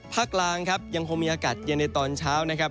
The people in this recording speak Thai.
กลางครับยังคงมีอากาศเย็นในตอนเช้านะครับ